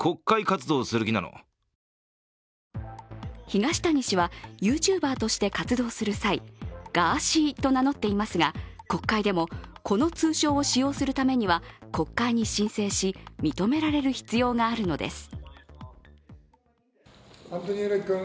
東谷氏はＹｏｕＴｕｂｅｒとして活動する際、ガーシーと名乗っていますが、国会でも、この通称を使用するためには、国会に申請し認められる必要があるのです。